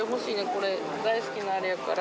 これ大好きなあれやから。